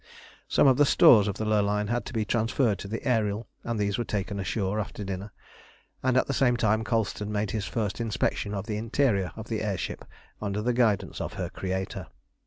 Some of the stores of the Lurline had to be transferred to the Ariel, and these were taken ashore after dinner, and at the same time Colston made his first inspection of the interior of the air ship, under the guidance of her creator.